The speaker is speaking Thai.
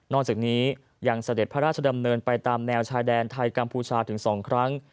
จากนี้ยังเสด็จพระราชดำเนินไปตามแนวชายแดนไทยกัมพูชาถึง๒ครั้ง